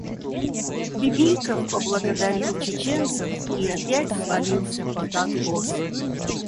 Бибиков поблагодарил чеченцев и опять свалился под откос.